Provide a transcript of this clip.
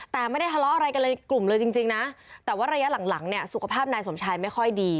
แต่ไม่ได้ทะเลาะอะไรกันเลยกลุ่มเลยจริงนะแต่ว่าระยะหลังหลังเนี่ยสุขภาพนายสมชายไม่ค่อยดี